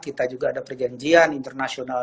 kita juga ada perjanjian internasional